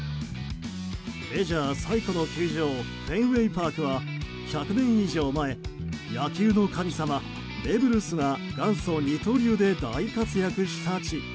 メジャー最古の球場フェンウェイ・パークは１００年以上前野球の神様ベーブ・ルースが元祖二刀流で大活躍した地。